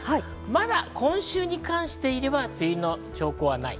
まだ今週に関して言えば、梅雨の兆候はない。